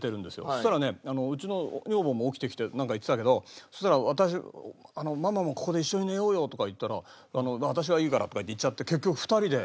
そしたらねうちの女房も起きてきてなんか言ってたけどそしたら。とか言ったら「私はいいから」とかって行っちゃって結局２人で。